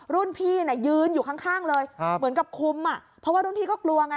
รุ่นพี่น่ะยืนอยู่ข้างเลยเหมือนกับคุมอ่ะเพราะว่ารุ่นพี่ก็กลัวไง